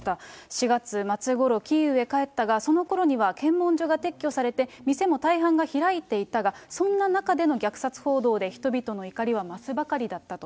４月末ごろ、キーウへ帰ったが、そのころには検問所が撤去されて、店も大半が開いていたが、そんな中での虐殺報道で、人々の怒りは増すばかりだったと。